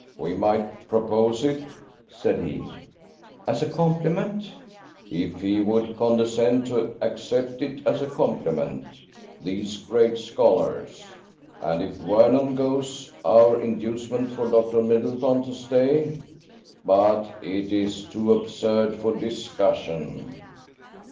"We might propose it," said he. "As a compliment?" "If he would condescend to accept it as a compliment. These great scholars! ... And if Vernon goes, our inducement for Dr. Middleton to stay ... But it is too absurd for discussion